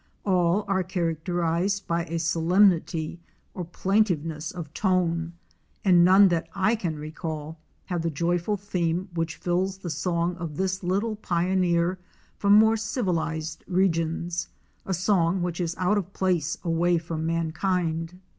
All are characterized by a solemnity or plaintiveness of tone, and none that I can recall have the joyful theme which fills the song of this little pioneer from more civilized regions; a song which is out of place away from mankind.